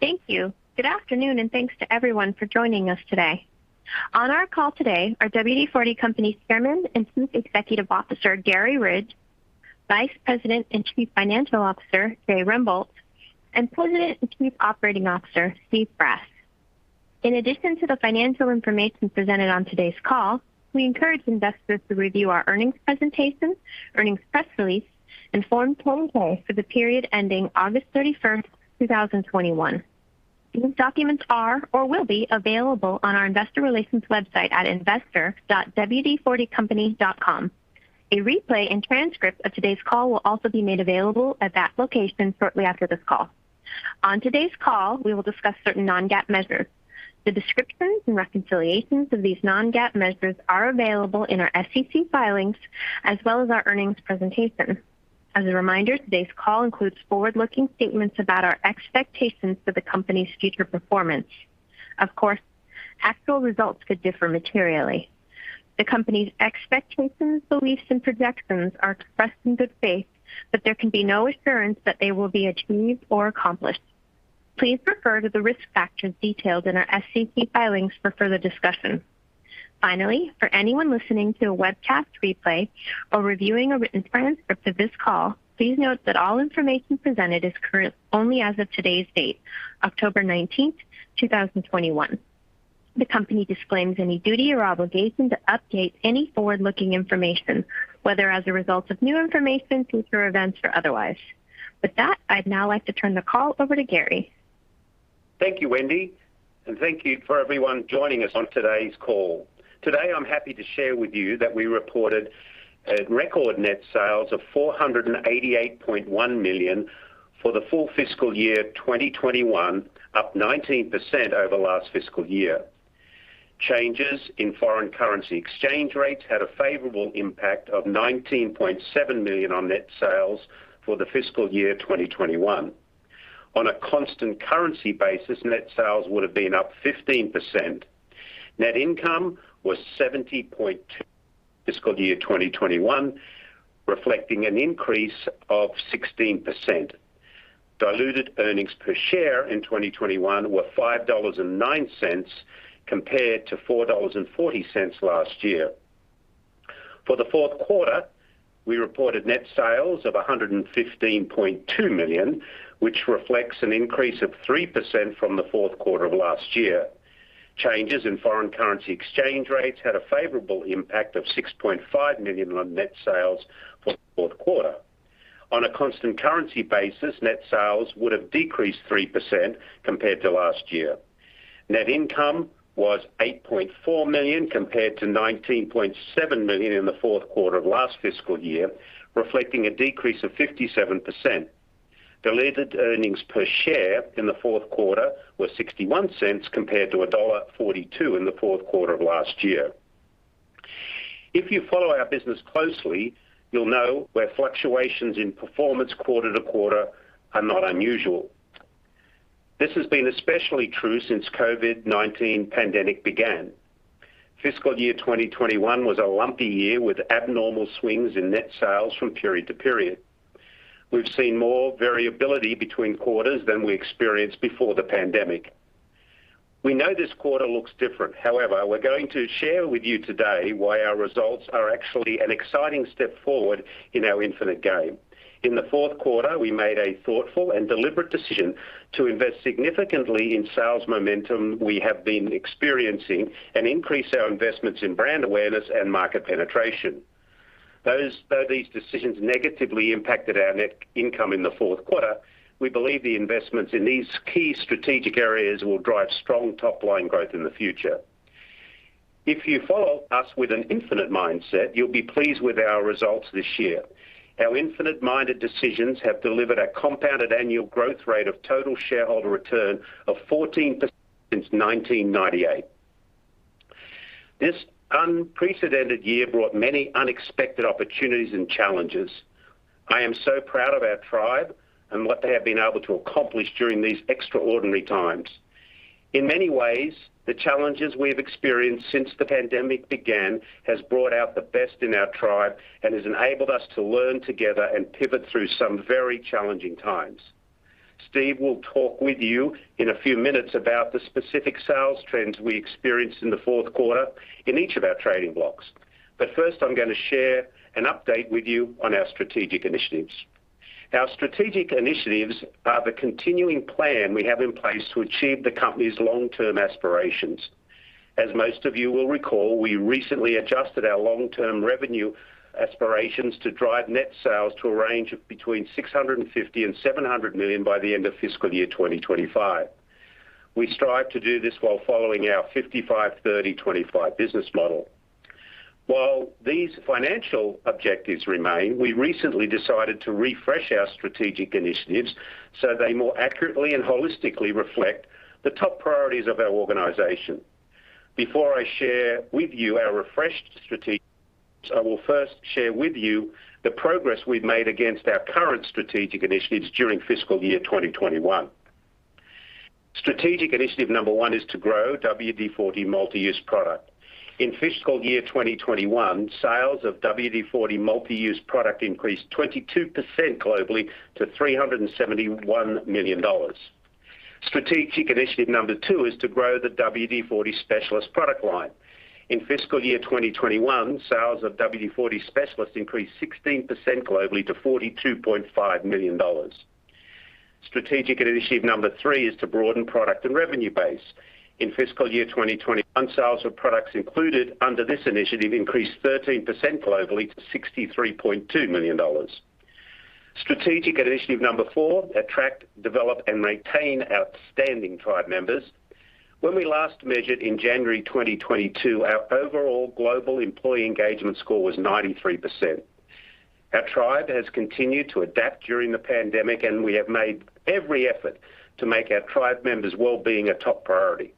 Thank you. Good afternoon, thanks to everyone for joining us today. On our call today are WD-40 Company Chairman and Chief Executive Officer, Garry Ridge, Vice President and Chief Financial Officer, Jay Rembolt, and President and Chief Operating Officer, Steve Brass. In addition to the financial information presented on today's call, we encourage investors to review our earnings presentation, earnings press release, and Form 10-K for the period ending August 31st, 2021. These documents are or will be available on our investor relations website at investor.wd40company.com. A replay and transcript of today's call will also be made available at that location shortly after this call. On today's call, we will discuss certain non-GAAP measures. The descriptions and reconciliations of these non-GAAP measures are available in our SEC filings, as well as our earnings presentation. As a reminder, today's call includes forward-looking statements about our expectations for the company's future performance. Of course, actual results could differ materially. The company's expectations, beliefs, and projections are expressed in good faith, but there can be no assurance that they will be achieved or accomplished. Please refer to the risk factors detailed in our SEC filings for further discussion. Finally, for anyone listening to a webcast replay or reviewing a written transcript of this call, please note that all information presented is current only as of today's date, October 19th, 2021. The company disclaims any duty or obligation to update any forward-looking information, whether as a result of new information, future events, or otherwise. With that, I'd now like to turn the call over to Garry. Thank you, Wendy, and thank you for everyone joining us on today's call. Today, I'm happy to share with you that we reported record net sales of $488.1 million for the full fiscal year 2021, up 19% over last fiscal year. Changes in foreign currency exchange rates had a favorable impact of $19.7 million on net sales for the fiscal year 2021. On a constant currency basis, net sales would have been up 15%. Net income was $70.2 fiscal year 2021, reflecting an increase of 16%. Diluted earnings per share in 2021 were $5.09 compared to $4.40 last year. For the fourth quarter, we reported net sales of $115.2 million, which reflects an increase of 3% from the fourth quarter of last year. Changes in foreign currency exchange rates had a favorable impact of $6.5 million on net sales for the fourth quarter. On a constant currency basis, net sales would have decreased 3% compared to last year. Net income was $8.4 million compared to $19.7 million in the fourth quarter of last fiscal year, reflecting a decrease of 57%. Diluted earnings per share in the fourth quarter were $0.61 compared to $1.42 in the fourth quarter of last year. If you follow our business closely, you'll know where fluctuations in performance quarter to quarter are not unusual. This has been especially true since COVID-19 pandemic began. Fiscal year 2021 was a lumpy year with abnormal swings in net sales from period to period. We've seen more variability between quarters than we experienced before the pandemic. We know this quarter looks different. However, we're going to share with you today why our results are actually an exciting step forward in our infinite game. In the fourth quarter, we made a thoughtful and deliberate decision to invest significantly in sales momentum we have been experiencing and increase our investments in brand awareness and market penetration. Though these decisions negatively impacted our net income in the fourth quarter, we believe the investments in these key strategic areas will drive strong top-line growth in the future. If you follow us with an infinite mindset, you'll be pleased with our results this year. Our infinite-minded decisions have delivered a compounded annual growth rate of total shareholder return of 14% since 1998. This unprecedented year brought many unexpected opportunities and challenges. I am so proud of our tribe and what they have been able to accomplish during these extraordinary times. In many ways, the challenges we have experienced since the pandemic began has brought out the best in our tribe and has enabled us to learn together and pivot through some very challenging times. Steve will talk with you in a few minutes about the specific sales trends we experienced in the fourth quarter in each of our trading blocs. First, I'm going to share an update with you on our strategic initiatives. Our strategic initiatives are the continuing plan we have in place to achieve the company's long-term aspirations. As most of you will recall, we recently adjusted our long-term revenue aspirations to drive net sales to a range of between $650 million and $700 million by the end of fiscal year 2025. We strive to do this while following our 55/30/25 business model. While these financial objectives remain, we recently decided to refresh our strategic initiatives, so they more accurately and holistically reflect the top priorities of our organization. Before I share with you our refreshed strategic initiatives, I will first share with you the progress we've made against our current strategic initiatives during fiscal year 2021. Strategic Initiative Number one is to grow WD-40 Multi-Use Product. In fiscal year 2021, sales of WD-40 Multi-Use Product increased 22% globally to $371 million. Strategic Initiative Number two is to grow the WD-40 Specialist product line. In fiscal year 2021, sales of WD-40 Specialist increased 16% globally to $42.5 million. Strategic Initiative Number three is to broaden product and revenue base. In fiscal year 2021, sales of products included under this initiative increased 13% globally to $63.2 million. Strategic Initiative Number four, attract, develop, and retain outstanding tribe members. When we last measured in January 2022, our overall global employee engagement score was 93%. Our tribe has continued to adapt during the pandemic, and we have made every effort to make our tribe members' wellbeing a top priority.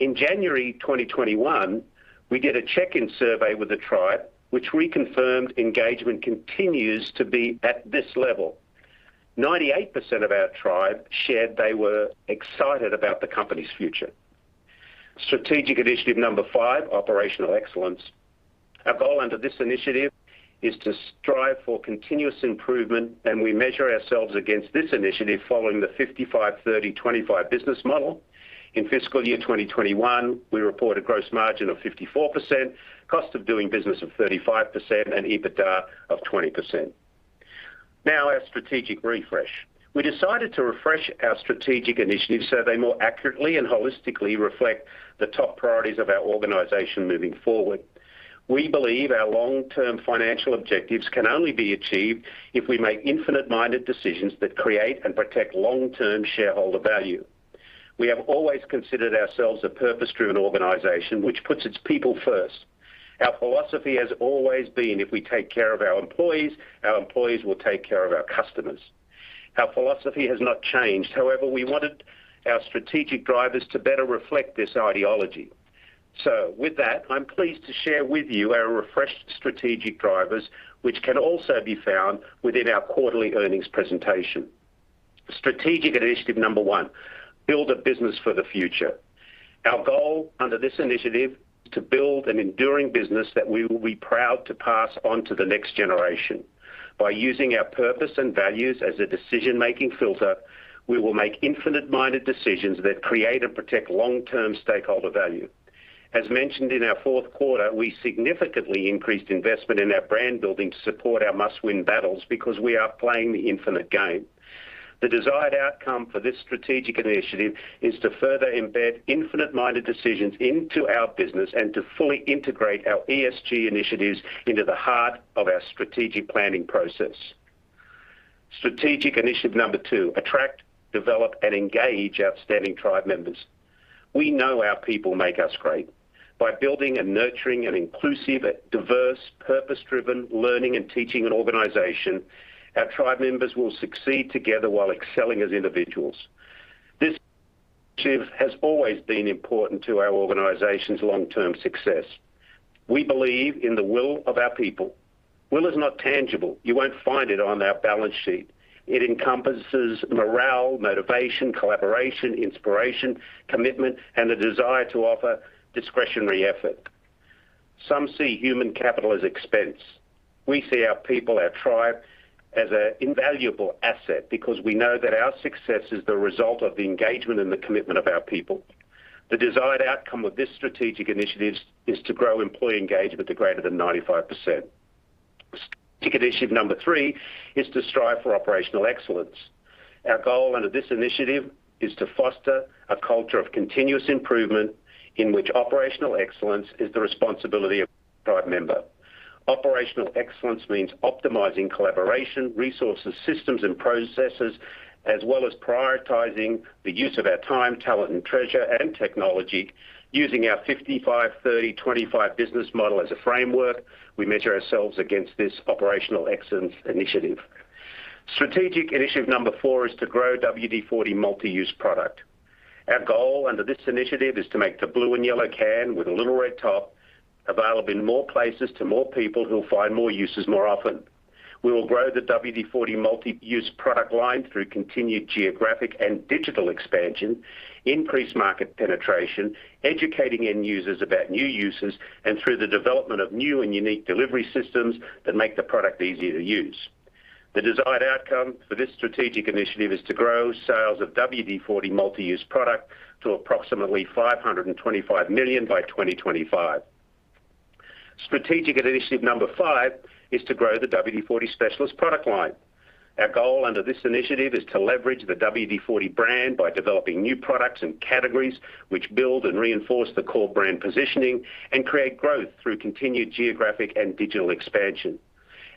In January 2021, we did a check-in survey with the tribe, which reconfirmed engagement continues to be at this level. 98% of our tribe shared they were excited about the company's future. Strategic initiative number five, Operational Excellence. Our goal under this initiative is to strive for continuous improvement, and we measure ourselves against this initiative following the 55/30/25 business model. In fiscal year 2021, we report a gross margin of 54%, cost of doing business of 35%, and EBITDA of 20%. Now, our Strategic Refresh. We decided to refresh our strategic initiatives, so they more accurately and holistically reflect the top priorities of our organization moving forward. We believe our long-term financial objectives can only be achieved if we make infinite-minded decisions that create and protect long-term shareholder value. We have always considered ourselves a purpose-driven organization which puts its people first. Our philosophy has always been, if we take care of our employees, our employees will take care of our customers. Our philosophy has not changed. However, we wanted our strategic drivers to better reflect this ideology. I'm pleased to share with you our refreshed strategic drivers, which can also be found within our quarterly earnings presentation. Strategic Initiative number one, build a business for the future. Our goal under this initiative, to build an enduring business that we will be proud to pass on to the next generation. By using our purpose and values as a decision-making filter, we will make infinite-minded decisions that create and protect long-term stakeholder value. As mentioned in our fourth quarter, we significantly increased investment in our brand building to support our must-win battles because we are playing the infinite game. The desired outcome for this strategic initiative is to further embed infinite-minded decisions into our business and to fully integrate our ESG initiatives into the heart of our strategic planning process. Strategic initiative number two, attract, develop, and engage outstanding tribe members. We know our people make us great. By building and nurturing an inclusive, diverse, purpose-driven learning and teaching organization, our tribe members will succeed together while excelling as individuals. This initiative has always been important to our organization's long-term success. We believe in the will of our people. Will is not tangible. You won't find it on our balance sheet. It encompasses morale, motivation, collaboration, inspiration, commitment, and the desire to offer discretionary effort. Some see human capital as expense. We see our people, our tribe, as an invaluable asset because we know that our success is the result of the engagement and the commitment of our people. The desired outcome of this strategic initiative is to grow employee engagement to greater than 95%. Strategic initiative number three is to strive for operational excellence. Our goal under this initiative is to foster a culture of continuous improvement in which operational excellence is the responsibility of every tribe member. Operational excellence means optimizing collaboration, resources, systems, and processes, as well as prioritizing the use of our time, talent, and treasure, and technology. Using our 55/30/25 business model as a framework, we measure ourselves against this operational excellence initiative. Strategic initiative number four is to grow WD-40 Multi-Use Product. Our goal under this initiative is to make the blue and yellow can with a little red top available in more places to more people who will find more uses more often. We will grow the WD-40 Multi-Use Product line through continued geographic and digital expansion, increased market penetration, educating end users about new uses, and through the development of new and unique delivery systems that make the product easier to use. The desired outcome for this strategic initiative is to grow sales of WD-40 Multi-Use Product to approximately $525 million by 2025. Strategic initiative number five is to grow the WD-40 Specialist product line. Our goal under this initiative is to leverage the WD-40 brand by developing new products and categories which build and reinforce the core brand positioning and create growth through continued geographic and digital expansion.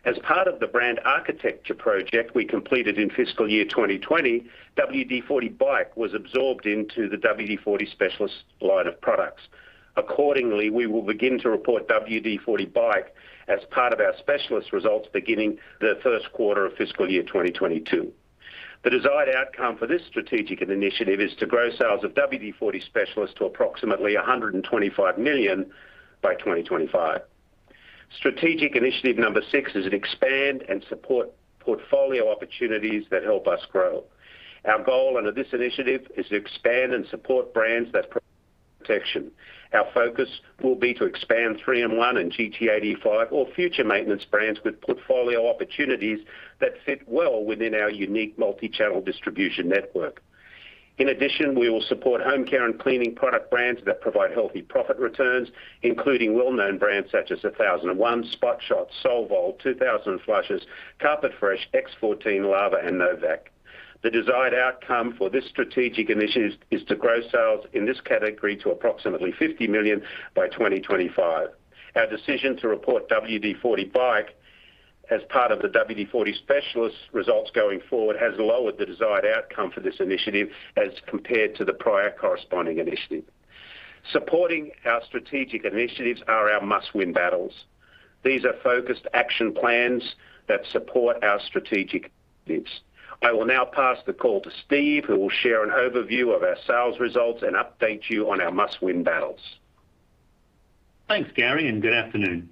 As part of the brand architecture project we completed in fiscal year 2020, WD-40 Bike was absorbed into the WD-40 Specialist line of products. Accordingly, we will begin to report WD-40 Bike as part of our Specialist results beginning the first quarter of fiscal year 2022. The desired outcome for this strategic initiative is to grow sales of WD-40 Specialist to approximately $125 million by 2025. Strategic initiative number six is expand and support portfolio opportunities that help us grow. Our goal under this initiative is to expand and support brands. Our focus will be to expand 3-IN-ONE and GT85 or future maintenance brands with portfolio opportunities that fit well within our unique multi-channel distribution network. In addition, we will support home care and cleaning product brands that provide healthy profit returns, including well-known brands such as 1001, Spot Shot, Solvol, 2000 Flushes, Carpet Fresh, X-14, Lava, and No Vac. The desired outcome for this Strategic Initiative is to grow sales in this category to approximately $50 million by 2025. Our decision to report WD-40 Bike as part of the WD-40 Specialist results going forward has lowered the desired outcome for this initiative as compared to the prior corresponding initiative. Supporting our Strategic Initiatives are our Must-Win Battles. These are focused action plans that support our Strategic Initiatives. I will now pass the call to Steve, who will share an overview of our sales results and update you on our Must-Win Battles. Thanks, Garry. Good afternoon.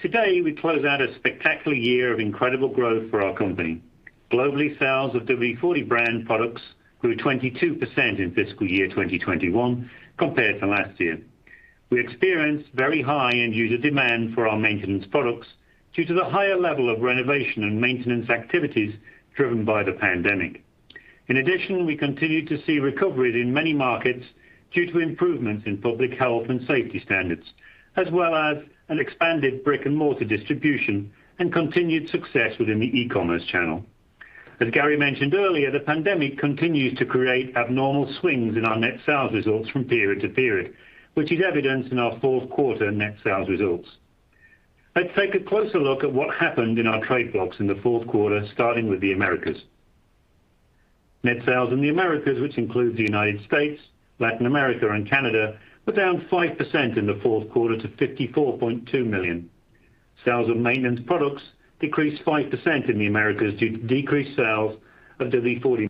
Today, we close out a spectacular year of incredible growth for our company. Globally, sales of WD-40 brand products grew 22% in fiscal year 2021 compared to last year. We experienced very high end-user demand for our maintenance products due to the higher level of renovation and maintenance activities driven by the pandemic. We continued to see recoveries in many markets due to improvements in public health and safety standards, as well as an expanded brick-and-mortar distribution and continued success within the e-commerce channel. As Garry mentioned earlier, the pandemic continues to create abnormal swings in our net sales results from period to period, which is evidenced in our fourth quarter net sales results. Let's take a closer look at what happened in our trade blocs in the fourth quarter, starting with the Americas. Net sales in the Americas, which includes the U.S., Latin America, and Canada, were down 5% in the fourth quarter to $54.2 million. Sales of maintenance products decreased 5% in the Americas due to decreased sales of WD-40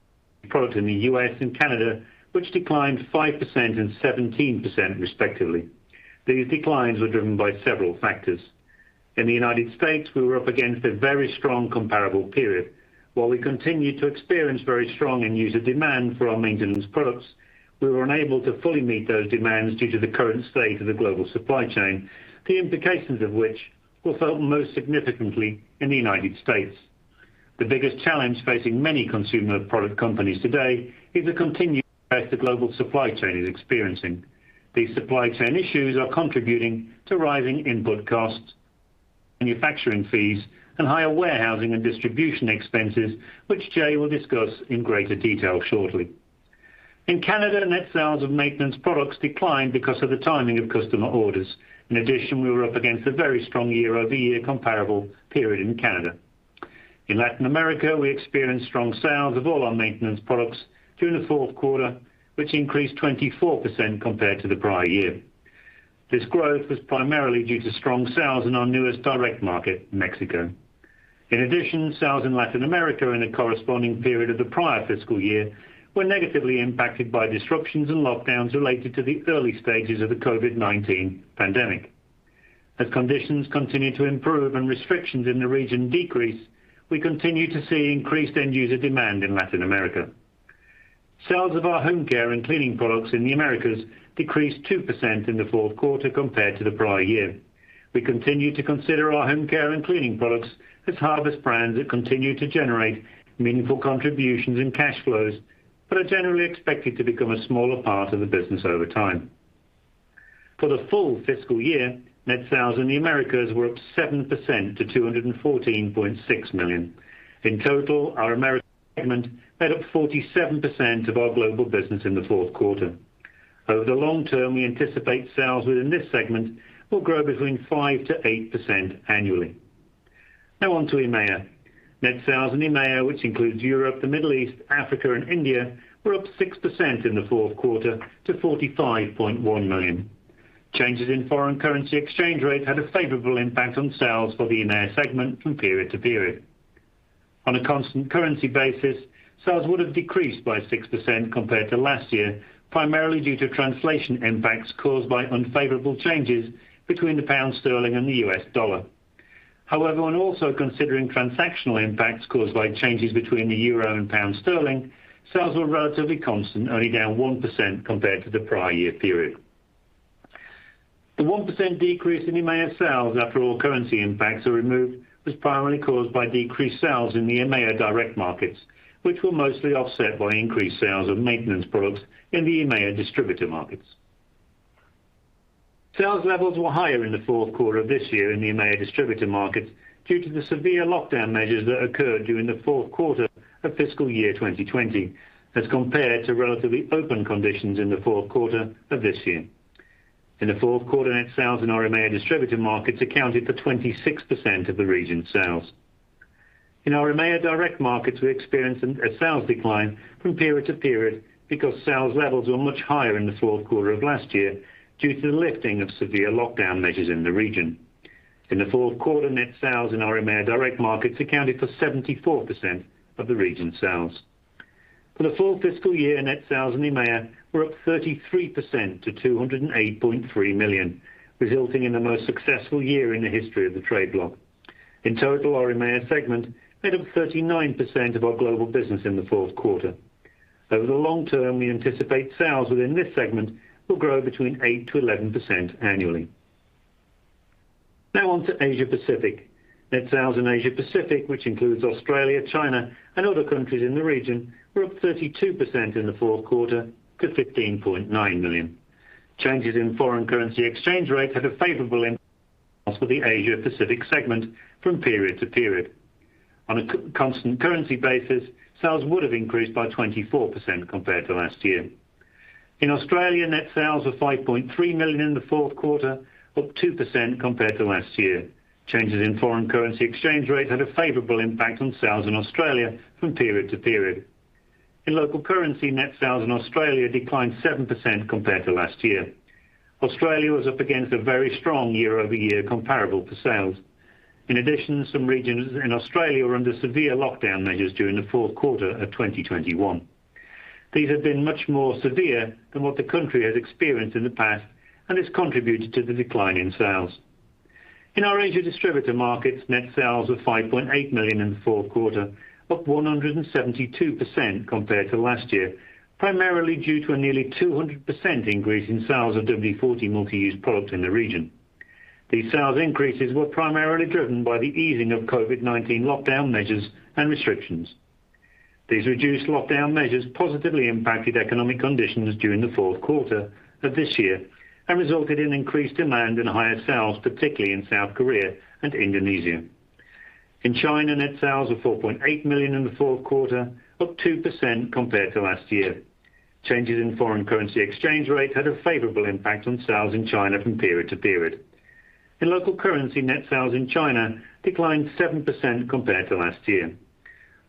products in the U.S. and Canada, which declined 5% and 17% respectively. These declines were driven by several factors. In the U.S., we were up against a very strong comparable period. While we continued to experience very strong end-user demand for our maintenance products, we were unable to fully meet those demands due to the current state of the global supply chain, the implications of which were felt most significantly in the U.S. The biggest challenge facing many consumer product companies today is the continued the global supply chain is experiencing. These supply chain issues are contributing to rising input costs, manufacturing fees, and higher warehousing and distribution expenses, which Jay will discuss in greater detail shortly. In Canada, net sales of maintenance products declined because of the timing of customer orders. In addition, we were up against a very strong year-over-year comparable period in Canada. In Latin America, we experienced strong sales of all our maintenance products through the fourth quarter, which increased 24% compared to the prior year. This growth was primarily due to strong sales in our newest direct market, Mexico. In addition, sales in Latin America in the corresponding period of the prior fiscal year were negatively impacted by disruptions and lockdowns related to the early stages of the COVID-19 pandemic. As conditions continue to improve and restrictions in the region decrease, we continue to see increased end-user demand in Latin America. Sales of our home care and cleaning products in the Americas decreased 2% in the fourth quarter compared to the prior year. We continue to consider our home care and cleaning products as harvest brands that continue to generate meaningful contributions and cash flows but are generally expected to become a smaller part of the business over time. For the full fiscal year, net sales in the Americas were up 7% to $214.6 million. In total, our Americas segment made up 47% of our global business in the fourth quarter. Over the long term, we anticipate sales within this segment will grow between 5%-8% annually. Now on to EMEA. Net sales in EMEA, which includes Europe, the Middle East, Africa, and India, were up 6% in the fourth quarter to $45.1 million. Changes in foreign currency exchange rates had a favorable impact on sales for the EMEA segment from period to period. On a constant currency basis, sales would have decreased by 6% compared to last year, primarily due to translation impacts caused by unfavorable changes between the Pound Sterling and the US Dollar. However, when also considering transactional impacts caused by changes between the Euro and Pound Sterling, sales were relatively constant, only down 1% compared to the prior year period. The 1% decrease in EMEA sales after all currency impacts are removed was primarily caused by decreased sales in the EMEA direct markets, which were mostly offset by increased sales of maintenance products in the EMEA distributor markets. Sales levels were higher in the fourth quarter of this year in the EMEA distributor markets due to the severe lockdown measures that occurred during the fourth quarter of fiscal year 2020 as compared to relatively open conditions in the fourth quarter of this year. In the fourth quarter, net sales in our EMEA distributor markets accounted for 26% of the region's sales. In our EMEA direct markets, we experienced a sales decline from period to period because sales levels were much higher in the fourth quarter of last year due to the lifting of severe lockdown measures in the region. In the fourth quarter, net sales in our EMEA direct markets accounted for 74% of the region's sales. For the full fiscal year, net sales in EMEA were up 33% to $208.3 million, resulting in the most successful year in the history of the trade bloc. In total, our EMEA segment made up 39% of our global business in the fourth quarter. Over the long term, we anticipate sales within this segment will grow between 8%-11% annually. Now on to Asia-Pacific. Net sales in Asia-Pacific, which includes Australia, China, and other countries in the region, were up 32% in the fourth quarter to $15.9 million. Changes in foreign currency exchange rates had a favorable impact for the Asia-Pacific segment from period to period. On a constant currency basis, sales would have increased by 24% compared to last year. In Australia, net sales were $5.3 million in the fourth quarter, up 2% compared to last year. Changes in foreign currency exchange rates had a favorable impact on sales in Australia from period to period. In local currency, net sales in Australia declined 7% compared to last year. Australia was up against a very strong year-over-year comparable for sales. In addition, some regions in Australia were under severe lockdown measures during the fourth quarter of 2021. These have been much more severe than what the country has experienced in the past, and it's contributed to the decline in sales. In our Asia distributor markets, net sales were $5.8 million in the fourth quarter, up 172% compared to last year, primarily due to a nearly 200% increase in sales of WD-40 Multi-Use Product in the region. These sales increases were primarily driven by the easing of COVID-19 lockdown measures and restrictions. These reduced lockdown measures positively impacted economic conditions during the fourth quarter of this year and resulted in increased demand and higher sales, particularly in South Korea and Indonesia. In China, net sales were $4.8 million in the fourth quarter, up 2% compared to last year. Changes in foreign currency exchange rates had a favorable impact on sales in China from period to period. In local currency, net sales in China declined 7% compared to last year.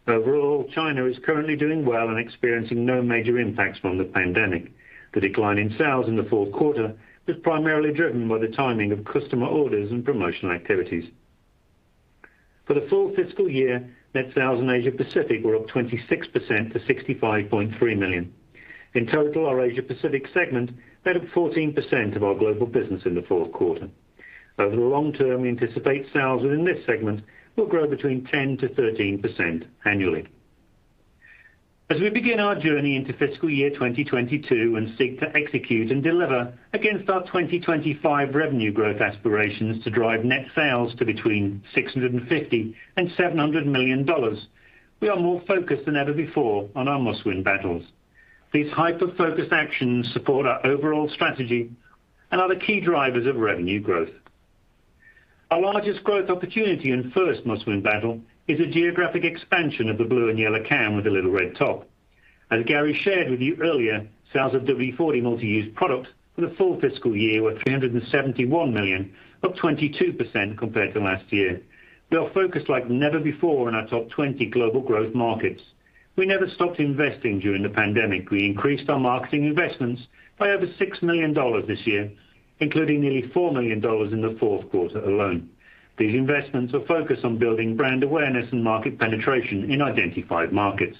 Overall, China is currently doing well and experiencing no major impacts from the pandemic. The decline in sales in the fourth quarter was primarily driven by the timing of customer orders and promotional activities. For the full fiscal year, net sales in Asia-Pacific were up 26% to $65.3 million. In total, our Asia-Pacific segment made up 14% of our global business in the fourth quarter. Over the long term, we anticipate sales within this segment will grow between 10%-13% annually. As we begin our journey into fiscal year 2022 and seek to execute and deliver against our 2025 revenue growth aspirations to drive net sales to between $650 million and $700 million, we are more focused than ever before on our must-win battles. These hyper-focused actions support our overall strategy and are the key drivers of revenue growth. Our largest growth opportunity and first must-win battle is the geographic expansion of the blue and yellow can with the little red top. As Garry shared with you earlier, sales of WD-40 Multi-Use Product for the full fiscal year were $371 million, up 22% compared to last year. We are focused like never before on our top 20 global growth markets. We never stopped investing during the pandemic. We increased our marketing investments by over $6 million this year, including nearly $4 million in the fourth quarter alone. These investments are focused on building brand awareness and market penetration in identified markets.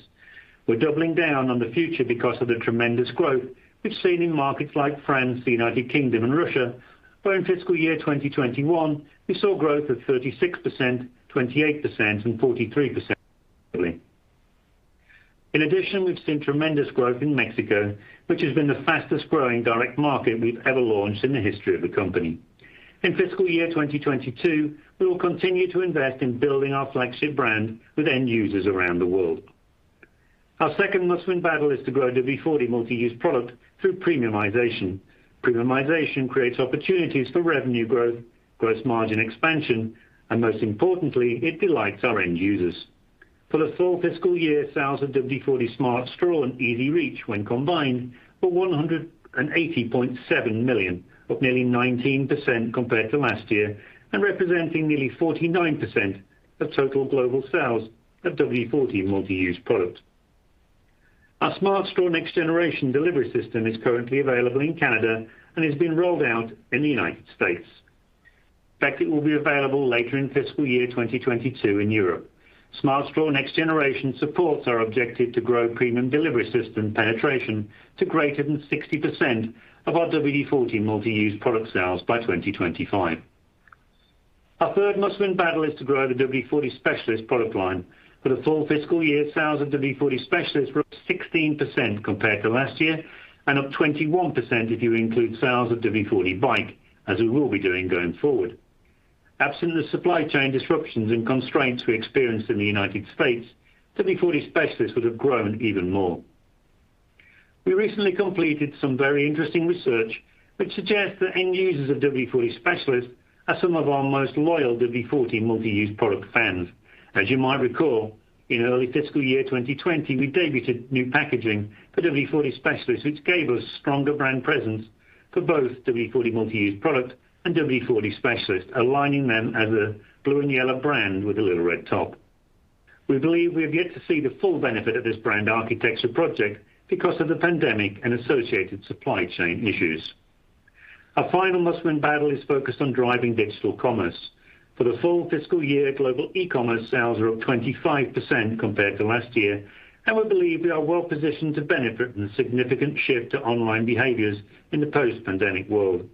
We're doubling down on the future because of the tremendous growth we've seen in markets like France, the United Kingdom, and Russia, where in fiscal year 2021, we saw growth of 36%, 28%, and 43% respectively. In addition, we've seen tremendous growth in Mexico, which has been the fastest-growing direct market we've ever launched in the history of the company. In fiscal year 2022, we will continue to invest in building our flagship brand with end users around the world. Our second must-win battle is to grow WD-40 Multi-Use Product through premiumization. Premiumization creates opportunities for revenue growth, gross margin expansion, and most importantly, it delights our end users. For the full fiscal year, sales of WD-40 Smart Straw and WD-40 EZ-REACH when combined, were $180.7 million, up nearly 19% compared to last year, and representing nearly 49% of total global sales of WD-40 Multi-Use Product. Our Smart Straw Next Generation delivery system is currently available in Canada and is being rolled out in the United States. In fact, it will be available later in fiscal year 2022 in Europe. Smart Straw Next Generation supports our objective to grow premium delivery system penetration to greater than 60% of our WD-40 Multi-Use Product sales by 2025. Our third Must-Win Battle is to grow the WD-40 Specialist product line. For the full fiscal year, sales of WD-40 Specialist were up 16% compared to last year and up 21% if you include sales of WD-40 Bike, as we will be doing going forward. Absent the supply chain disruptions and constraints we experienced in the United States, WD-40 Specialist would have grown even more. We recently completed some very interesting research which suggests that end users of WD-40 Specialist are some of our most loyal WD-40 Multi-Use Product fans. As you might recall, in early fiscal year 2020, we debuted new packaging for WD-40 Specialist, which gave us stronger brand presence for both WD-40 Multi-Use Product and WD-40 Specialist, aligning them as a blue and yellow brand with a little red top. We believe we have yet to see the full benefit of this brand architecture project because of the pandemic and associated supply chain issues. Our final Must-Win Battle is focused on driving digital commerce. For the full fiscal year, global e-commerce sales are up 25% compared to last year, and we believe we are well positioned to benefit from the significant shift to online behaviors in the post-pandemic world.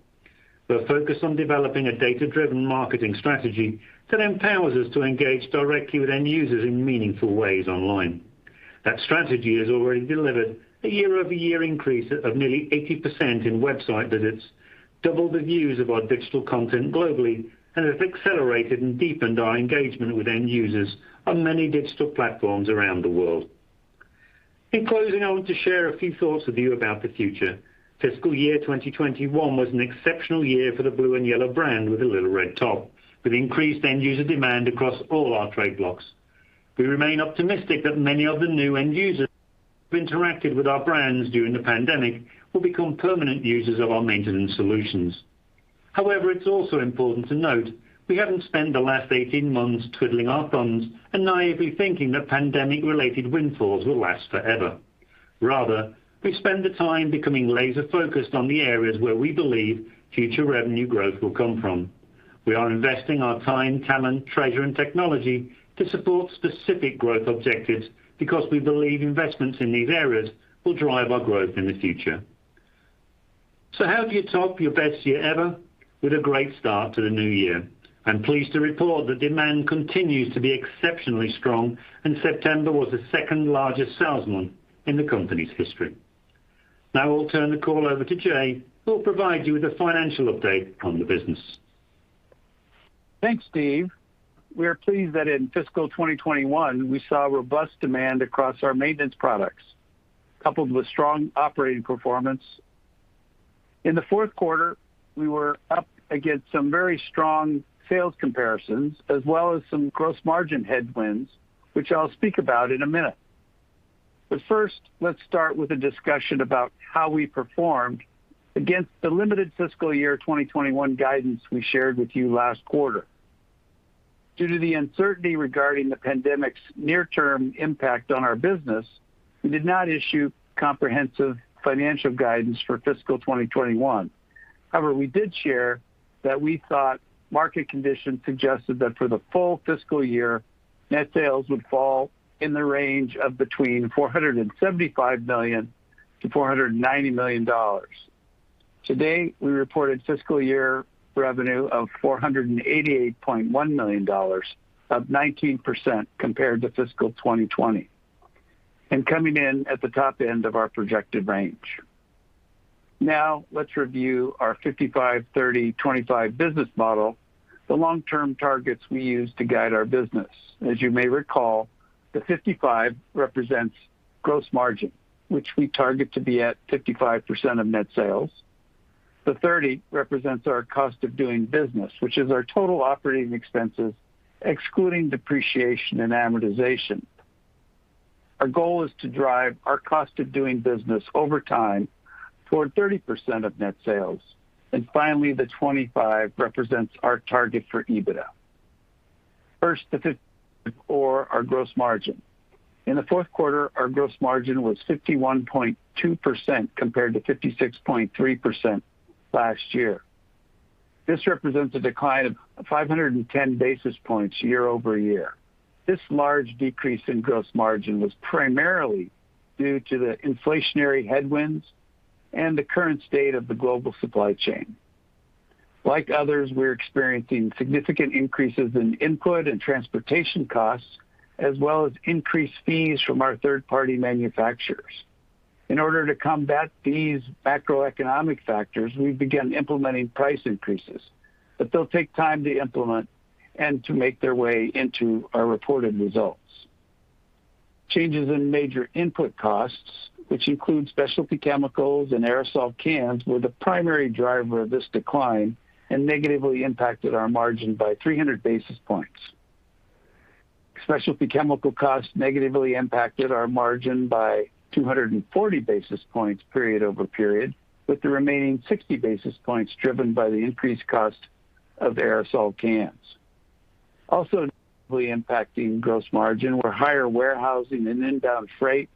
We're focused on developing a data-driven marketing strategy that empowers us to engage directly with end users in meaningful ways online. That strategy has already delivered a year-over-year increase of nearly 80% in website visits, double the views of our digital content globally, and has accelerated and deepened our engagement with end users on many digital platforms around the world. In closing, I want to share a few thoughts with you about the future. Fiscal year 2021 was an exceptional year for the blue and yellow brand with a little red top, with increased end user demand across all our trade blocs. We remain optimistic that many of the new end users who interacted with our brands during the pandemic will become permanent users of our maintenance solutions. However, it's also important to note we haven't spent the last 18 months twiddling our thumbs and naively thinking that pandemic-related windfalls will last forever. Rather, we've spent the time becoming laser-focused on the areas where we believe future revenue growth will come from. We are investing our time, talent, treasure, and technology to support specific growth objectives because we believe investments in these areas will drive our growth in the future. How do you top your best year ever? With a great start to the new year. I'm pleased to report that demand continues to be exceptionally strong, and September was the second-largest sales month in the company's history. I will turn the call over to Jay, who will provide you with a financial update on the business. Thanks, Steve. We are pleased that in fiscal 2021, we saw robust demand across our maintenance products, coupled with strong operating performance. In the fourth quarter, we were up against some very strong sales comparisons as well as some gross margin headwinds, which I'll speak about in a minute. First, let's start with a discussion about how we performed against the limited fiscal year 2021 guidance we shared with you last quarter. Due to the uncertainty regarding the pandemic's near-term impact on our business, we did not issue comprehensive financial guidance for fiscal 2021. We did share that we thought market conditions suggested that for the full fiscal year, net sales would fall in the range of between $475 million-$490 million. Today, we reported fiscal year revenue of $488.1 million, up 19% compared to fiscal 2020. Coming in at the top end of our projected range. Let's review our 55/30/25 business model, the long-term targets we use to guide our business. As you may recall, the 55 represents gross margin, which we target to be at 55% of net sales. The 30 represents our cost of doing business, which is our total operating expenses, excluding depreciation and amortization. Our goal is to drive our cost of doing business over time toward 30% of net sales. Finally, the 25% represents our target for EBITDA. First, the 55% or our gross margin. In the fourth quarter, our gross margin was 51.2% compared to 56.3% last year. This represents a decline of 510 basis points year-over-year. This large decrease in gross margin was primarily due to the inflationary headwinds and the current state of the global supply chain. Like others, we're experiencing significant increases in input and transportation costs, as well as increased fees from our third-party manufacturers. In order to combat these macroeconomic factors, we've begun implementing price increases, but they'll take time to implement and to make their way into our reported results. Changes in major input costs, which include specialty chemicals and aerosol cans, were the primary driver of this decline and negatively impacted our margin by 300 basis points. Specialty chemical costs negatively impacted our margin by 240 basis points period over period, with the remaining 60 basis points driven by the increased cost of aerosol cans. Also negatively impacting gross margin were higher warehousing and inbound freight,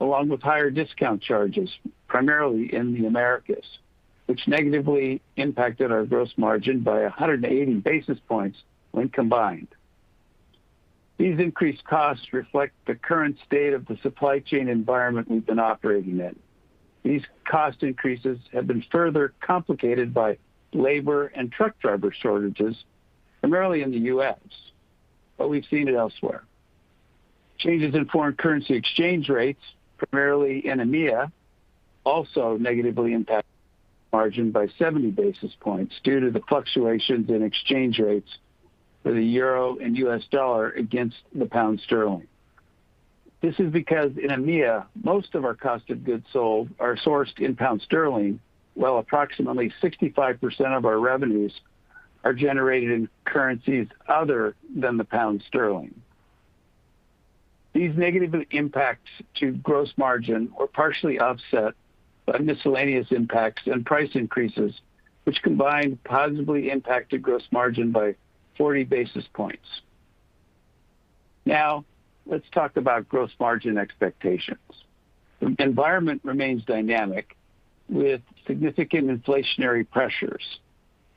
along with higher discount charges, primarily in the Americas, which negatively impacted our gross margin by 180 basis points when combined. These increased costs reflect the current state of the supply chain environment we've been operating in. These cost increases have been further complicated by labor and truck driver shortages, primarily in the U.S., but we've seen it elsewhere. Changes in foreign currency exchange rates, primarily in EMEA, also negatively impacted margin by 70 basis points due to the fluctuations in exchange rates for the Euro and US Dollar against the Pound Sterling. This is because in EMEA, most of our cost of goods sold are sourced in Pound Sterling while approximately 65% of our revenues are generated in currencies other than the Pound Sterling. These negative impacts to gross margin were partially offset by miscellaneous impacts and price increases, which combined positively impacted gross margin by 40 basis points. Now, let's talk about gross margin expectations. The environment remains dynamic with significant inflationary pressures,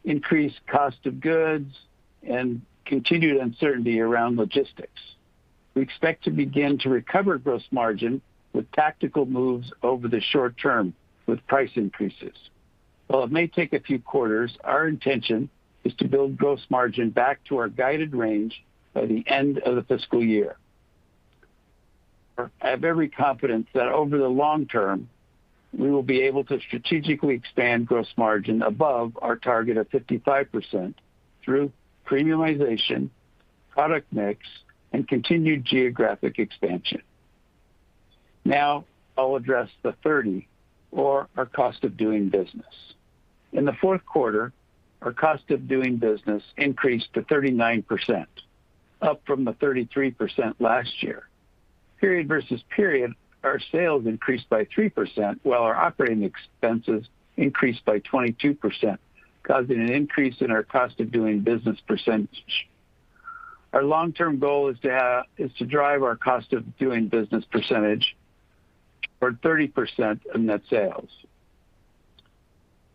increased cost of goods, and continued uncertainty around logistics. We expect to begin to recover gross margin with tactical moves over the short term with price increases. While it may take a few quarters, our intention is to build gross margin back to our guided range by the end of the fiscal year. I have every confidence that over the long term, we will be able to strategically expand gross margin above our target of 55% through premiumization, product mix, and continued geographic expansion. Now I'll address the 30%, or our cost of doing business. In the fourth quarter, our cost of doing business increased to 39%, up from the 33% last year. Period versus period, our sales increased by 3% while our operating expenses increased by 22%, causing an increase in our cost of doing business percentage. Our long-term goal is to drive our cost of doing business percentage to 30% of net sales.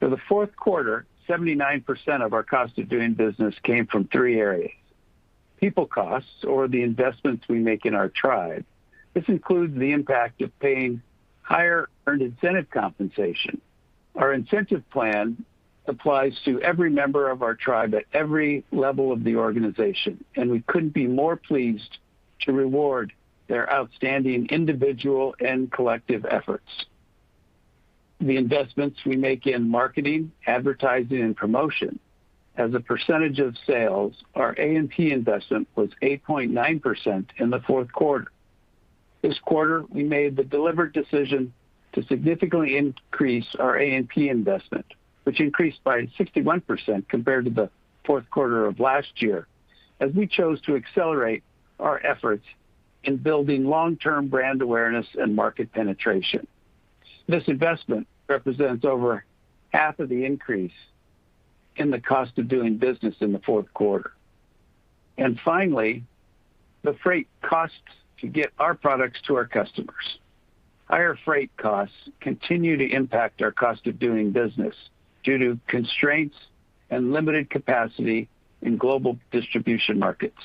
For the fourth quarter, 79% of our cost of doing business came from three areas. People costs, or the investments we make in our tribe. This includes the impact of paying higher earned incentive compensation. Our incentive plan applies to every member of our tribe at every level of the organization, and we couldn't be more pleased to reward their outstanding individual and collective efforts. The investments we make in marketing, advertising, and promotion. As a percentage of sales, our A&P investment was 8.9% in the fourth quarter. This quarter, we made the deliberate decision to significantly increase our A&P investment, which increased by 61% compared to the fourth quarter of last year, as we chose to accelerate our efforts in building long-term brand awareness and market penetration. This investment represents over half of the increase in the cost of doing business in the fourth quarter. Finally, the freight costs to get our products to our customers. Higher freight costs continue to impact our cost of doing business due to constraints and limited capacity in global distribution markets.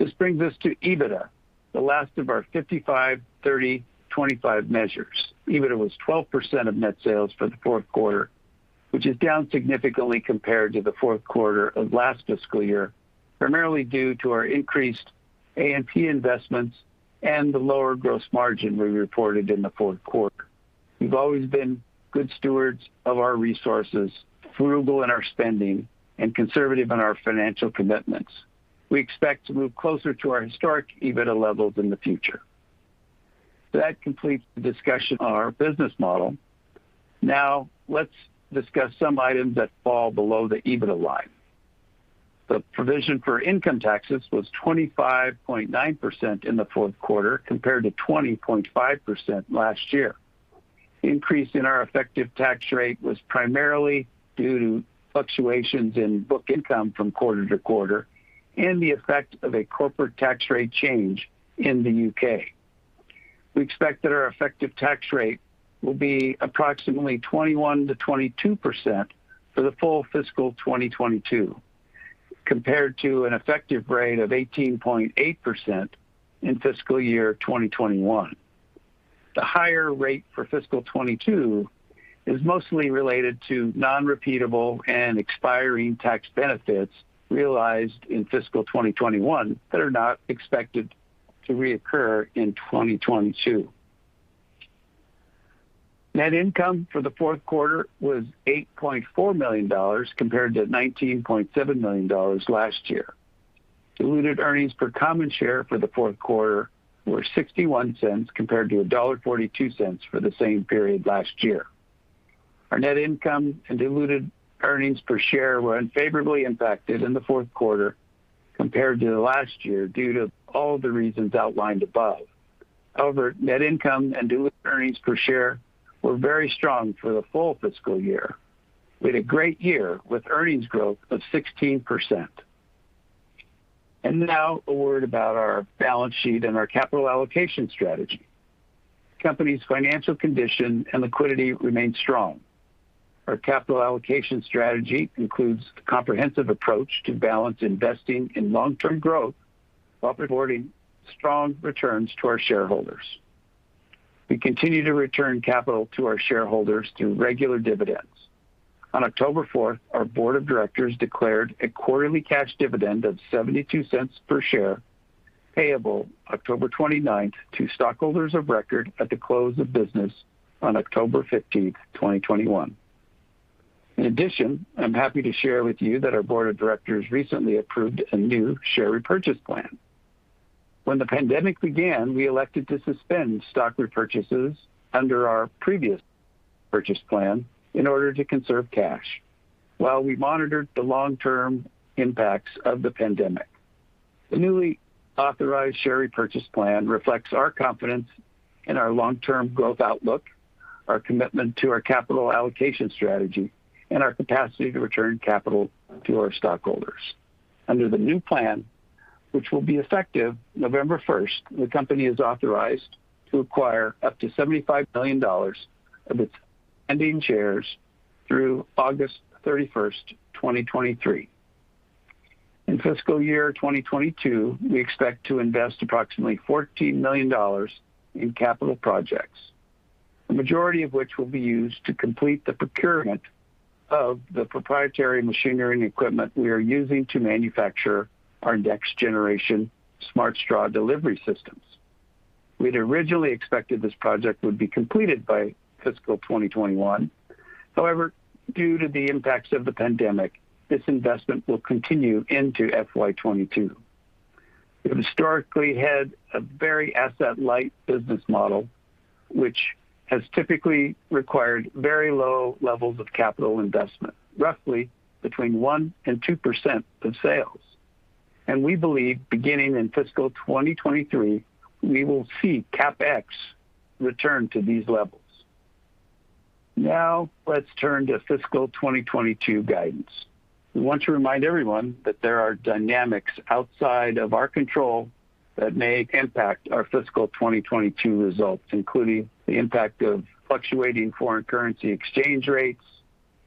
This brings us to EBITDA, the last of our 55/30/25 measures. EBITDA was 12% of net sales for the fourth quarter, which is down significantly compared to the fourth quarter of last fiscal year, primarily due to our increased A&P investments and the lower gross margin we reported in the fourth quarter. We've always been good stewards of our resources, frugal in our spending, and conservative in our financial commitments. We expect to move closer to our historic EBITDA levels in the future. That completes the discussion on our business model. Let's discuss some items that fall below the EBITDA line. The provision for income taxes was 25.9% in the fourth quarter, compared to 20.5% last year. Increase in our effective tax rate was primarily due to fluctuations in book income from quarter to quarter and the effect of a corporate tax rate change in the U.K. We expect that our effective tax rate will be approximately 21%-22% for the full fiscal 2022, compared to an effective rate of 18.8% in fiscal year 2021. The higher rate for fiscal 2022 is mostly related to non-repeatable and expiring tax benefits realized in fiscal 2021 that are not expected to reoccur in 2022. Net income for the fourth quarter was $8.4 million compared to $19.7 million last year. Diluted earnings per common share for the fourth quarter were $0.61 compared to $1.42 for the same period last year. Our net income and diluted earnings per share were unfavorably impacted in the fourth quarter compared to the last year due to all the reasons outlined above. However, net income and diluted earnings per share were very strong for the full fiscal year. We had a great year with earnings growth of 16%. Now a word about our balance sheet and our capital allocation strategy. Company's financial condition and liquidity remain strong. Our capital allocation strategy includes a comprehensive approach to balance investing in long-term growth while providing strong returns to our shareholders. We continue to return capital to our shareholders through regular dividends. On October 4th, our board of directors declared a quarterly cash dividend of $0.72 per share payable October 29th to stockholders of record at the close of business on October 15th, 2021. In addition, I'm happy to share with you that our board of directors recently approved a new share repurchase plan. When the pandemic began, we elected to suspend stock repurchases under our previous purchase plan in order to conserve cash while we monitored the long-term impacts of the pandemic. The newly authorized share repurchase plan reflects our confidence in our long-term growth outlook, our commitment to our capital allocation strategy, and our capacity to return capital to our stockholders. Under the new plan, which will be effective November 1st, the company is authorized to acquire up to $75 million of its ending shares through August 31st, 2023. In fiscal year 2022, we expect to invest approximately $14 million in capital projects, the majority of which will be used to complete the procurement of the proprietary machinery and equipment we are using to manufacture our Smart Straw Next Generation delivery systems. We'd originally expected this project would be completed by fiscal 2021. However, due to the impacts of the pandemic, this investment will continue into FY 2022. We've historically had a very asset light business model, which has typically required very low levels of capital investment, roughly between 1% and 2% of sales. We believe beginning in fiscal 2023, we will see CapEx return to these levels. Now let's turn to fiscal 2022 guidance. We want to remind everyone that there are dynamics outside of our control that may impact our fiscal 2022 results, including the impact of fluctuating foreign currency exchange rates,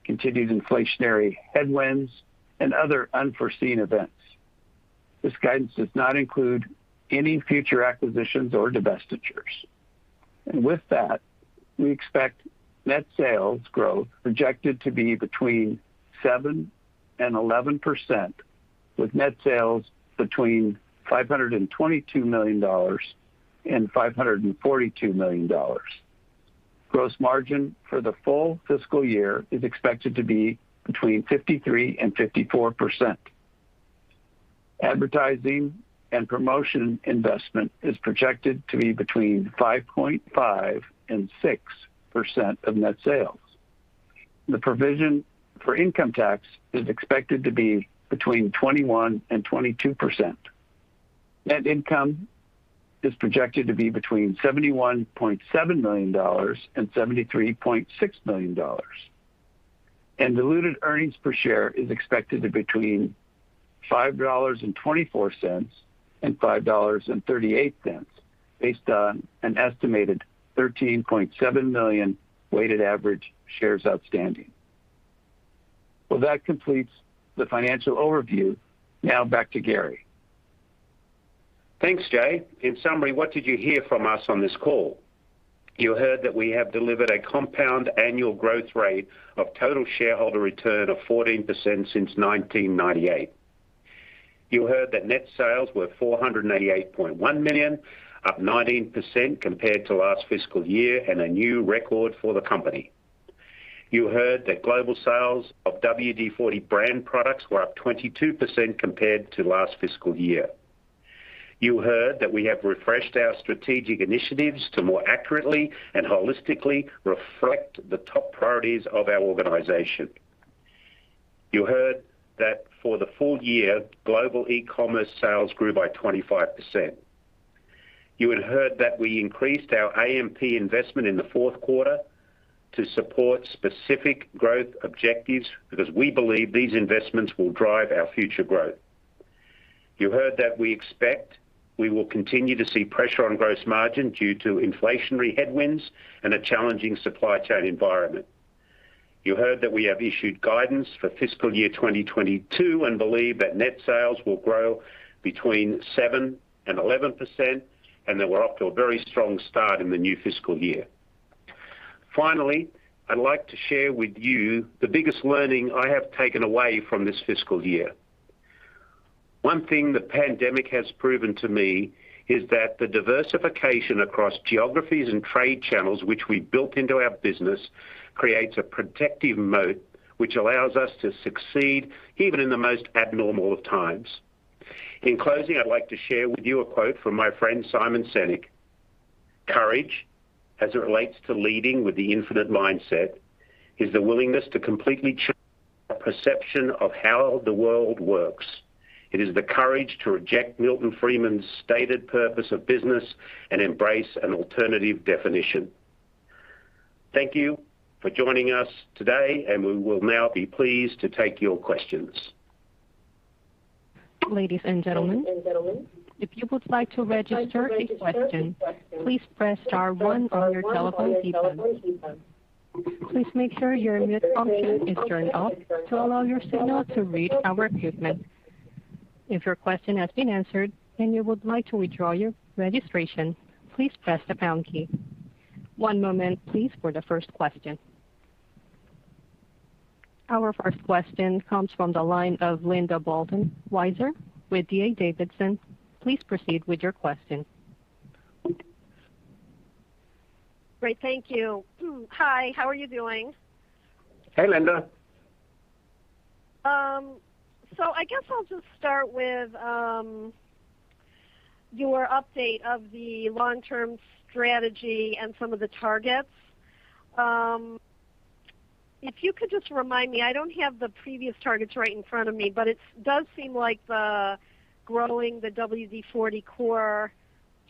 continued inflationary headwinds, and other unforeseen events. This guidance does not include any future acquisitions or divestitures. With that, we expect net sales growth projected to be between 7% and 11%, with net sales between $522 million and $542 million. Gross margin for the full fiscal year is expected to be between 53% and 54%. Advertising and promotion investment is projected to be between 5.5% and 6% of net sales. The provision for income tax is expected to be between 21% and 22%. Net income is projected to be between $71.7 million and $73.6 million. Diluted earnings per share is expected to between $5.24 and $5.38, based on an estimated 13.7 million weighted average shares outstanding. Well, that completes the financial overview. Now back to Garry. Thanks, Jay. In summary, what did you hear from us on this call? You heard that we have delivered a compound annual growth rate of total shareholder return of 14% since 1998. You heard that net sales were $488.1 million, up 19% compared to last fiscal year, and a new record for the company. You heard that global sales of WD-40 brand products were up 22% compared to last fiscal year. You heard that we have refreshed our strategic initiatives to more accurately and holistically reflect the top priorities of our organization. You heard that for the full year, global e-commerce sales grew by 25%. You had heard that we increased our A&P investment in the fourth quarter to support specific growth objectives because we believe these investments will drive our future growth. You heard that we expect we will continue to see pressure on gross margin due to inflationary headwinds and a challenging supply chain environment. You heard that we have issued guidance for fiscal year 2022 and believe that net sales will grow between 7% and 11%, and that we're off to a very strong start in the new fiscal year. Finally, I'd like to share with you the biggest learning I have taken away from this fiscal year. One thing the pandemic has proven to me is that the diversification across geographies and trade channels which we built into our business creates a protective moat which allows us to succeed even in the most abnormal of times. In closing, I'd like to share with you a quote from my friend, Simon Sinek. Courage, as it relates to leading with the infinite mindset, is the willingness to completely our perception of how the world works. It is the courage to reject Milton Friedman's stated purpose of business and embrace an alternative definition. Thank you for joining us today. We will now be pleased to take your questions. Ladies and gentlemen. If you would like to register a question, please press star one on your telephone keypad. Please make sure your mute function is turned off to allow your signal to reach our equipment. If your question has been answered and you would like to withdraw your registration, please press the pound key. One moment please for the first question. Our first question comes from the line of Linda Bolton Weiser with D.A. Davidson. Please proceed with your question. Great, thank you. Hi, how are you doing? Hey, Linda. I guess I'll just start with your update of the long-term strategy and some of the targets. If you could just remind me, I don't have the previous targets right in front of me, but it does seem like the growing the WD-40 core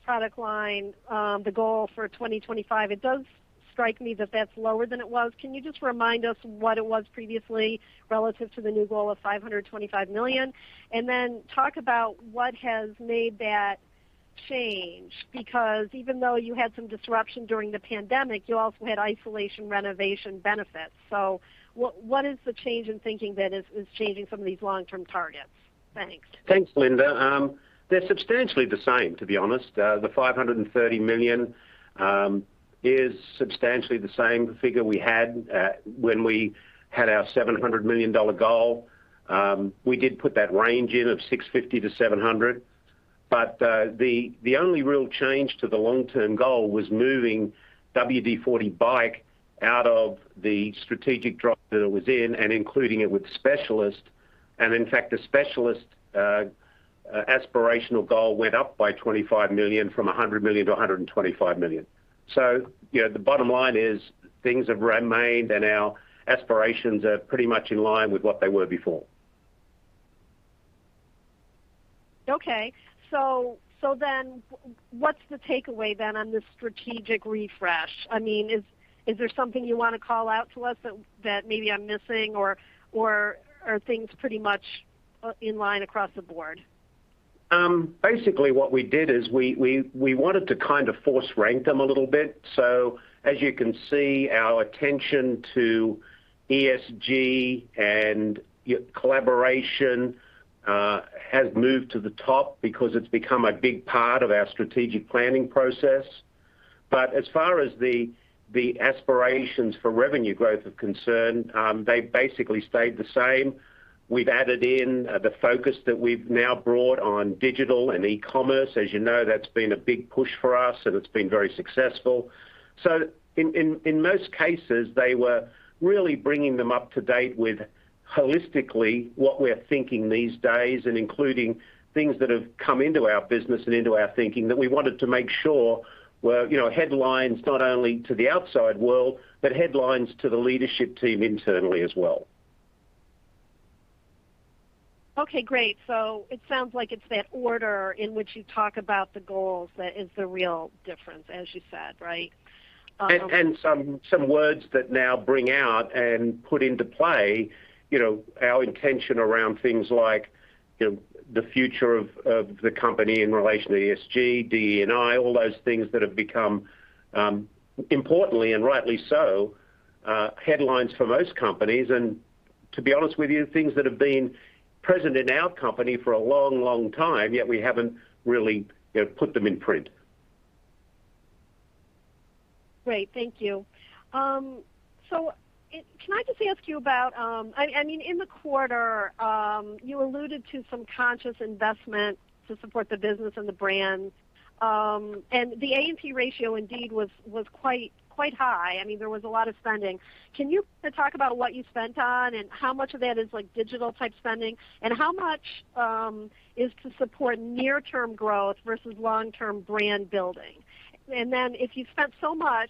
product line, the goal for 2025, it does strike me that that's lower than it was. Can you just remind us what it was previously relative to the new goal of $525 million? Then talk about what has made that change because even though you had some disruption during the pandemic, you also had isolation renovation benefits. What is the change in thinking that is changing some of these long-term targets? Thanks. Thanks, Linda. They're substantially the same, to be honest. The $530 million is substantially the same figure we had when we had our $700 million goal. We did put that range in of $650 million-$700 million. The only real change to the long-term goal was moving WD-40 Bike out of the strategic drop that it was in and including it with Specialist. In fact, the Specialist aspirational goal went up by $25 million from $100 million-$125 million. The bottom line is things have remained, and our aspirations are pretty much in line with what they were before. What's the takeaway then on this strategic refresh? Is there something you want to call out to us that maybe I'm missing, or are things pretty much in line across the board? Basically, what we did is we wanted to force rank them a little bit. As you can see, our attention to ESG and collaboration has moved to the top because it's become a big part of our strategic planning process. As far as the aspirations for revenue growth are concerned, they basically stayed the same. We've added in the focus that we've now brought on digital and e-commerce. As you know, that's been a big push for us, and it's been very successful. In most cases, they were really bringing them up to date with holistically what we're thinking these days and including things that have come into our business and into our thinking that we wanted to make sure were headlines, not only to the outside world, but headlines to the leadership team internally as well. Okay, great. It sounds like it's that order in which you talk about the goals that is the real difference, as you said, right? Some words that now bring out and put into play our intention around things like the future of the company in relation to ESG, DE&I, all those things that have become, importantly and rightly so, headlines for most companies. To be honest with you, things that have been present in our company for a long time, yet we haven't really put them in print. Great. Thank you. Can I just ask you, in the quarter, you alluded to some conscious investment to support the business and the brands. The A&P ratio indeed was quite high. There was a lot of spending. Can you talk about what you spent on and how much of that is digital-type spending, and how much is to support near-term growth versus long-term brand building? If you've spent so much,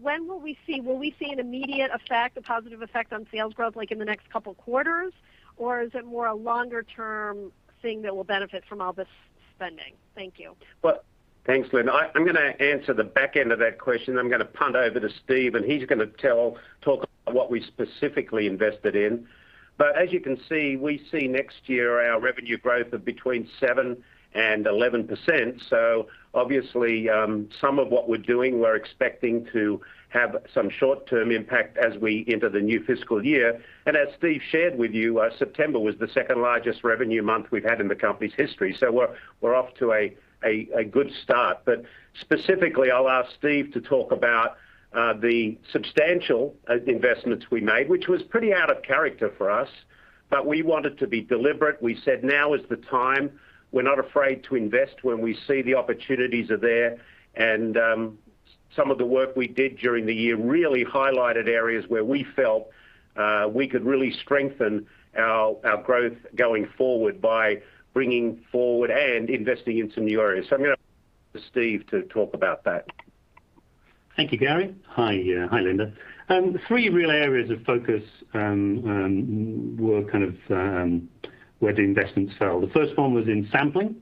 when will we see, will we see an immediate effect, a positive effect on sales growth like in the next couple of quarters, or is it more a longer-term thing that will benefit from all this spending? Thank you. Thanks, Linda. I'm going to answer the back end of that question. I'm going to punt over to Steve, and he's going to talk about what we specifically invested in. As you can see, we see next year our revenue growth of between 7% and 11%. Obviously, some of what we're doing, we're expecting to have some short-term impact as we enter the new fiscal year. As Steve shared with you, September was the second-largest revenue month we've had in the company's history. We're off to a good start. Specifically, I'll ask Steve to talk about the substantial investments we made, which was pretty out of character for us. We wanted to be deliberate. We said now is the time. We're not afraid to invest when we see the opportunities are there. Some of the work we did during the year really highlighted areas where we felt we could really strengthen our growth going forward by bringing forward and investing into new areas. I'm going to ask Steve to talk about that. Thank you, Garry. Hi, Linda. Three real areas of focus were kind of where the investments fell. The first one was in sampling,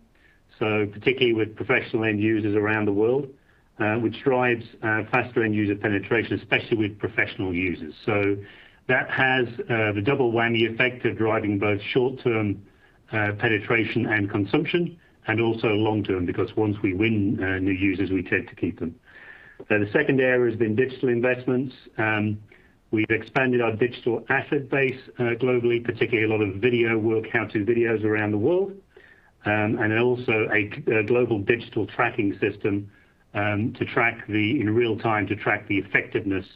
particularly with professional end users around the world, which drives faster end user penetration, especially with professional users. That has the double whammy effect of driving both short-term penetration and consumption, and also long-term, because once we win new users, we tend to keep them. The second area has been digital investments. We've expanded our digital asset base globally, particularly a lot of video work, how-to videos around the world. Also, a global digital tracking system in real time to track the effectiveness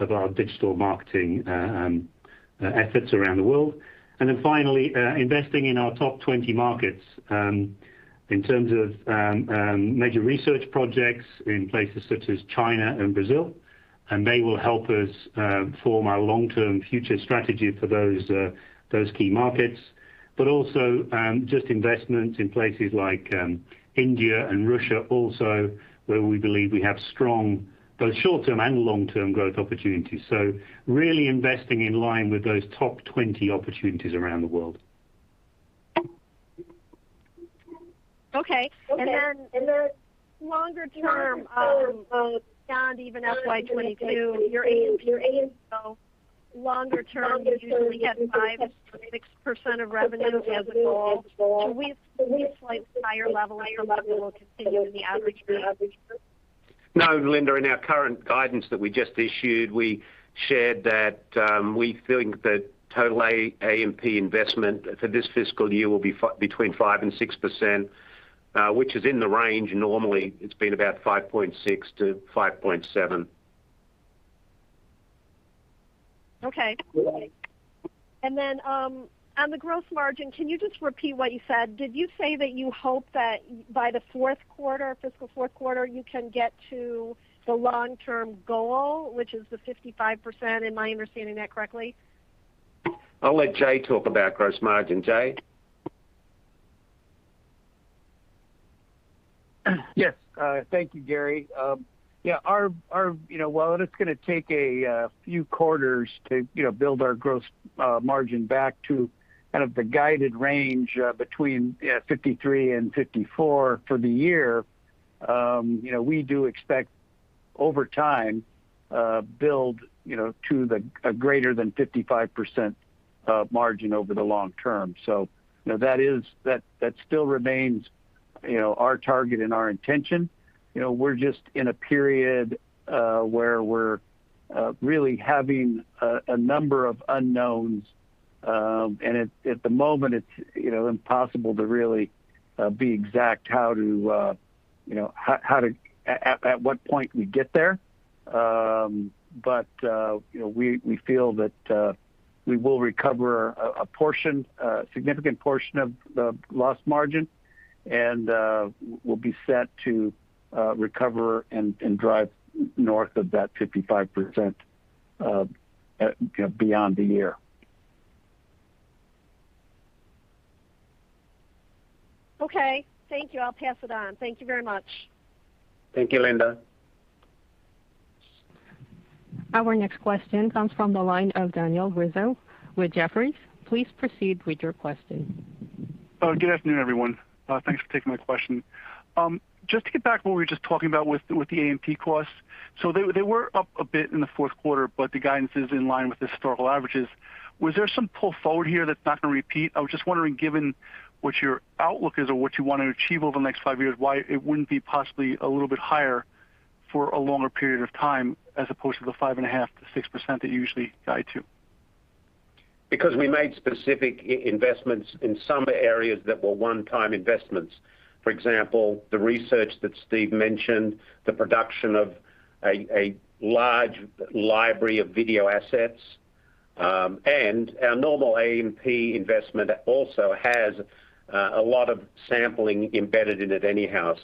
of our digital marketing efforts around the world. Finally, investing in our top 20 markets in terms of major research projects in places such as China and Brazil. They will help us form our long-term future strategy for those key markets. Also, just investments in places like India and Russia also, where we believe we have strong both short-term and long-term growth opportunities. Really investing in line with those top 20 opportunities around the world. Okay. Longer term, beyond even FY 2022, your A&P. Longer term, you usually get 5%-6% of revenue as a goal. Do we expect the higher level of revenue will continue to be average for the future? No, Linda. In our current guidance that we just issued, we shared that we think the total A&P investment for this fiscal year will be between 5% and 6%, which is in the range. Normally, it's been about 5.6%-5.7%. Okay. Then on the gross margin, can you just repeat what you said? Did you say that you hope that by the fiscal fourth quarter, you can get to the long-term goal, which is the 55%? Am I understanding that correctly? I'll let Jay talk about gross margin. Jay? Yes. Thank you, Garry. While it is going to take a few quarters to build our gross margin back to the guided range between 53% and 54% for the year, we do expect, over time, build to a greater than 55% margin over the long term. That still remains our target and our intention. We're just in a period where we're really having a number of unknowns. At the moment, it's impossible to really be exact at what point we get there. We feel that we will recover a significant portion of the lost margin, and we'll be set to recover and drive north of that 55% beyond the year. Okay. Thank you. I'll pass it on. Thank you very much. Thank you, Linda. Our next question comes from the line of Daniel Rizzo with Jefferies. Please proceed with your question. Good afternoon, everyone. Thanks for taking my question. Just to get back to what we were just talking about with the A&P costs. They were up a bit in the fourth quarter, but the guidance is in line with historical averages. Was there some pull forward here that's not going to repeat? I was just wondering, given what your outlook is or what you want to achieve over the next five years, why it wouldn't be possibly a little bit higher for a longer period of time as opposed to the 5.5%-6% that you usually guide to? We made specific investments in some areas that were one-time investments. For example, the research that Steve mentioned, the production of a large library of video assets, and our normal A&P investment also has a lot of sampling embedded in it anyhow.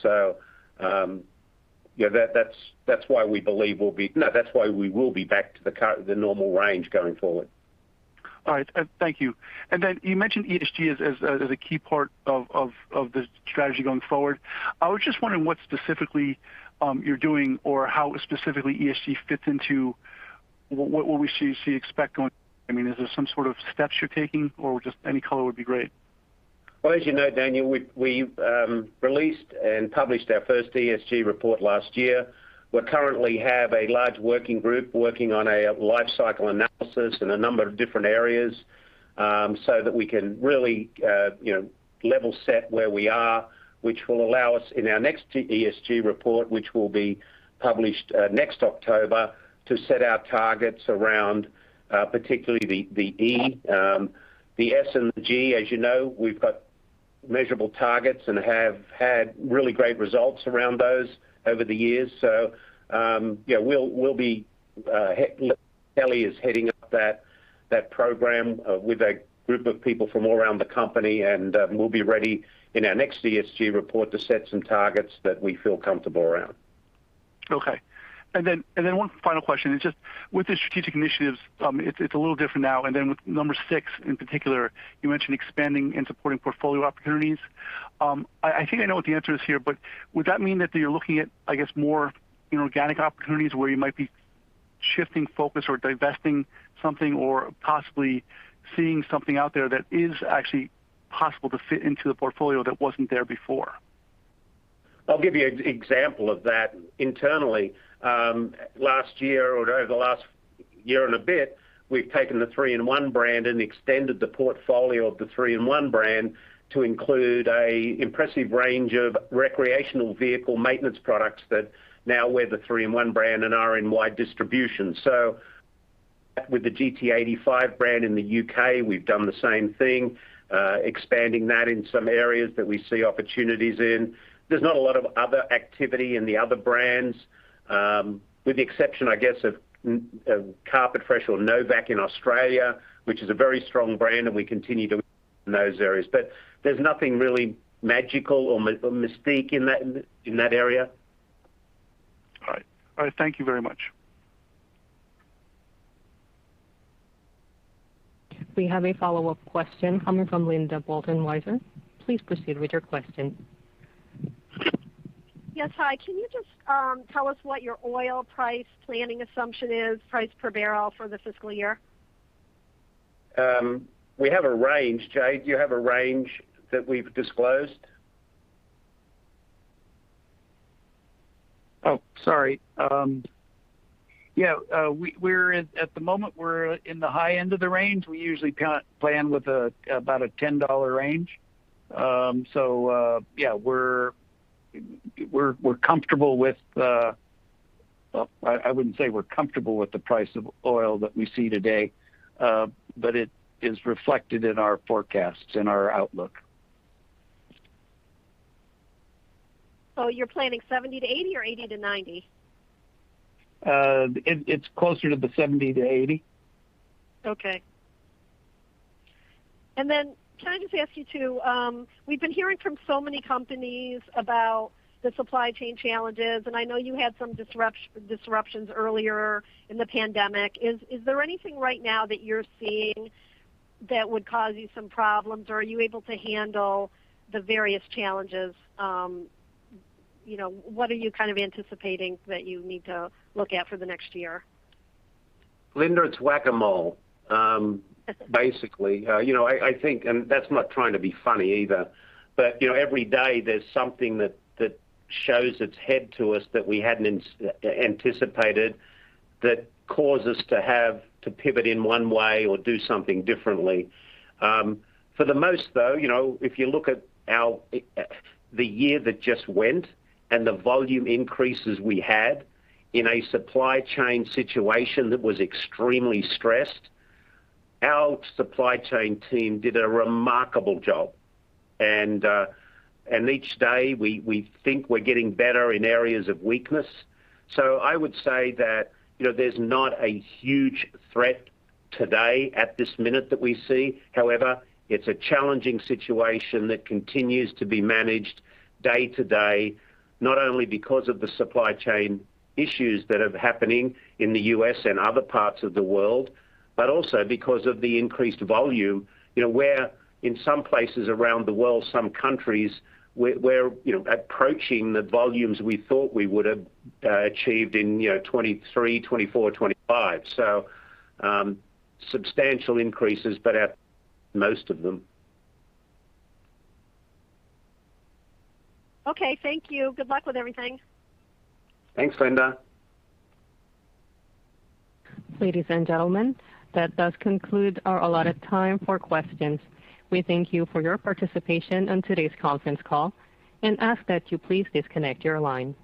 That's why we will be back to the normal range going forward. All right. Thank you. You mentioned ESG as a key part of the strategy going forward. I was just wondering what specifically you're doing or how specifically ESG fits into what we should expect. Is there some sort of steps you're taking, or just any color would be great. Well, as you know, Daniel, we released and published our first ESG report last year. We currently have a large working group working on a life cycle analysis in a number of different areas so that we can really level set where we are, which will allow us in our next ESG report, which will be published next October, to set our targets around particularly the E. The S and the G, as you know, we've got measurable targets and have had really great results around those over the years. Kelley is heading up that program with a group of people from all around the company, and we'll be ready in our next ESG report to set some targets that we feel comfortable around. Okay. One final question. It's just with the strategic initiatives, it's a little different now. With number six in particular, you mentioned expanding and supporting portfolio opportunities. I think I know what the answer is here, would that mean that you're looking at, I guess, more inorganic opportunities where you might be shifting focus or divesting something or possibly seeing something out there that is actually possible to fit into the portfolio that wasn't there before? I'll give you an example of that internally. Last year or over the last year and a bit, we've taken the 3-IN-ONE brand and extended the portfolio of the 3-IN-ONE brand to include an impressive range of recreational vehicle maintenance products that now wear the 3-IN-ONE brand and are in wide distribution. With the GT85 brand in the U.K., we've done the same thing, expanding that in some areas that we see opportunities in. There's not a lot of other activity in the other brands, with the exception, I guess, of Carpet Fresh or No Vac in Australia, which is a very strong brand, and we continue to in those areas. There's nothing really magical or mystique in that area. All right. Thank you very much. We have a follow-up question coming from Linda Bolton Weiser. Please proceed with your question. Yes. Hi. Can you just tell us what your oil price planning assumption is, price per barrel for the fiscal year? We have a range. Jay, do you have a range that we've disclosed? Oh, sorry. Yeah. At the moment, we're in the high end of the range. We usually plan with about a $10 range. Yeah, I wouldn't say we're comfortable with the price of oil that we see today, but it is reflected in our forecasts, in our outlook. You're planning 70%-80% or 80%-90%? It's closer to the 70%-80%. Okay. Can I just ask you too, we've been hearing from so many companies about the supply chain challenges, and I know you had some disruptions earlier in the pandemic. Is there anything right now that you're seeing that would cause you some problems, or are you able to handle the various challenges? What are you anticipating that you need to look at for the next year? Linda, it's Whac-A-Mole, basically. That's not trying to be funny either. Every day, there's something that shows its head to us that we hadn't anticipated that cause us to pivot in one way or do something differently. For the most though, if you look at the year that just went and the volume increases we had in a supply chain situation that was extremely stressed, our supply chain team did a remarkable job. Each day, we think we're getting better in areas of weakness. I would say that there's not a huge threat today at this minute that we see. It's a challenging situation that continues to be managed day to day, not only because of the supply chain issues that are happening in the U.S. and other parts of the world, but also because of the increased volume, where in some places around the world, some countries, we're approaching the volumes we thought we would have achieved in 2023, 2024, or 2025. Substantial increases, but at most of them. Okay, thank you. Good luck with everything. Thanks, Linda. Ladies and gentlemen, that does conclude our allotted time for questions. We thank you for your participation on today's conference call and ask that you please disconnect your line.